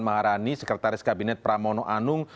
maharani sekretaris kabinet pramono anung